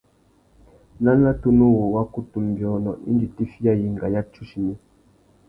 Nana tunu wu wá kutu nʼbiônô indi tifiya yenga ya tsuchimi.